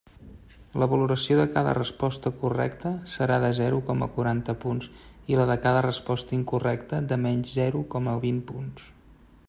La valoració de cada resposta correcta serà de zero coma quaranta punts i la de cada resposta incorrecta de menys zero coma vint punts.